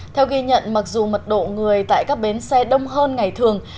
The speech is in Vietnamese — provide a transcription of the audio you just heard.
theo ghi nhận mặc dù mật độ người tại các bến xe đông hơn ngày thường